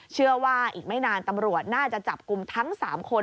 เชื่อว่าอีกไม่นานตำรวจน่าจะจับกลุ่มทั้ง๓คน